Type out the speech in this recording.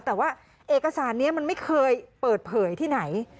แต่ว่าเอกสารนี้มันไม่เคยเปิดเผยที่ไหน